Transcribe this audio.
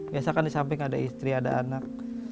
biasanya disamping ada istri ada anak